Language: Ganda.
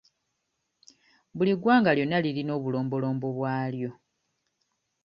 Buli ggwanga lyonna lirina obulombolombo bwalyo.